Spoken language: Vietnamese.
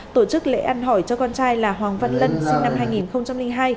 tổ chức lễ ăn hỏi cho con trai là hoàng văn lân sinh năm hai nghìn hai